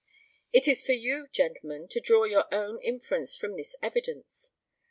It is for you, gentlemen, to draw your own inference from this evidence.